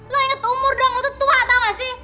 lu inget umur doang lu tuh tua tahu gak sih